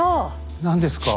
何ですか。